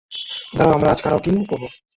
দাঁড়াও, আমরা আজ কারাওকিং করব।